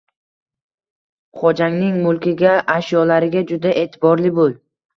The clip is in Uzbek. Xojangning mulkiga, ashyolariga juda e’tiborli bo‘l.